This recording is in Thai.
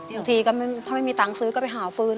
บางทีก็ถ้าไม่มีตังค์ซื้อก็ไปหาฟื้น